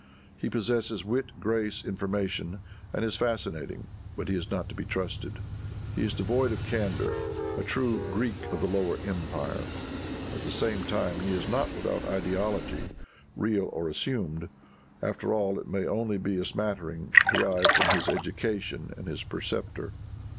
He possesses wit, grace, information, and is fascinating, but he is not to be trusted. He is devoid of candor, a true Greek of the Lower Empire. At the same time he is not without ideology, real or assumed; after all it may only be a smattering, derived from his education and his preceptor.